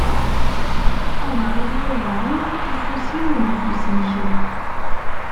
Aḍar-ik d uḍar-iw afus-iw deg ufus-ik.